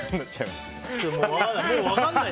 もう分からない。